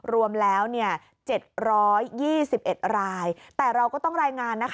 รวมแล้ว๗๒๑รายแต่เราก็ต้องรายงานนะคะ